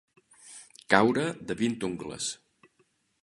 Caure de vint ungles.